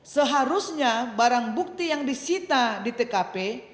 seharusnya barang bukti yang disita di tkp